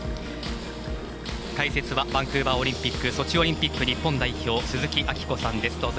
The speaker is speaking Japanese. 解説はバンクーバーオリンピックソチオリンピック日本代表鈴木明子さんです。